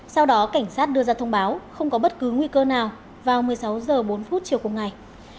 sau đó cảnh sát đưa ra thông báo không có bất cứ nguy cơ nào vào một mươi sáu h bốn chiều cùng ngày